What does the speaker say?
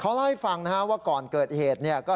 เพราะถูกทำร้ายเหมือนการบาดเจ็บเนื้อตัวมีแผลถลอก